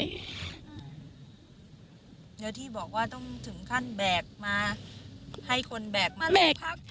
แล้วที่บอกว่าต้องถึงขั้นแบกมาให้คนแบกมาแบกพัก